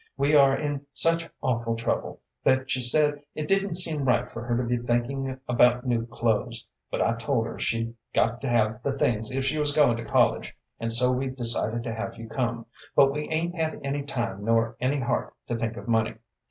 We are in such awful trouble, that she said it didn't seem right for her to be thinkin' about new clothes, but I told her she'd got to have the things if she was going to college, and so we decided to have you come, but we 'ain't had any time nor any heart to think of money.